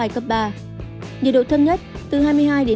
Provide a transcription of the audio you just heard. nhiệt độ thấp nhất từ hai mươi hai hai mươi năm độ